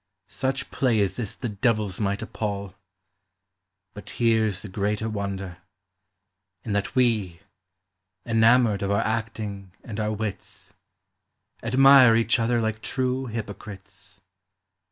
Such play as this the devils might appall ! But here 's the greater wonder ; in that we, Enamored of our acting and our Avits, Admire each other like true hypocrites.